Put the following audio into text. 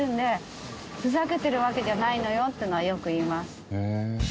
ふざけてるわけじゃないのよっていうのはよく言います。